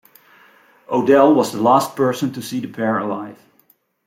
Odell was the last person to see the pair alive.